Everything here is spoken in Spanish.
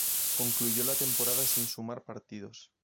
Concluyó la temporada sin sumar partidos.